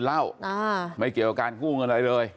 อ่าไม่เกี่ยวกับการกู้งอะไรเลย